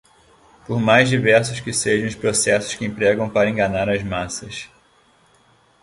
por mais diversos que sejam os processos que empregam para enganar as massas